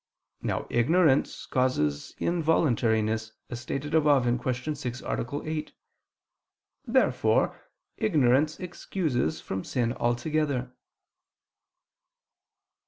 Now ignorance causes involuntariness, as stated above (Q. 6, A. 8). Therefore ignorance excuses from sin altogether.